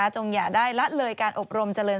จงหย่าได้ละเลยการอบรม